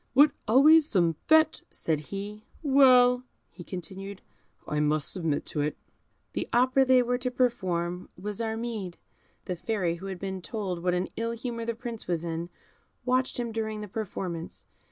"What, always some fête?" said he. "Well," he continued, "I must submit to it." The opera they were to perform was Armide. The Fairy, who had been told what an ill humour the Prince was in, watched him during the performance.